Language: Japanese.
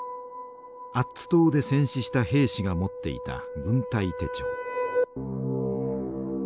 アッツ島で戦死した兵士が持っていた軍隊手帳。